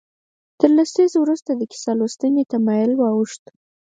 تر لسیزو وروسته د کیسه لوستنې تمایل واوښت.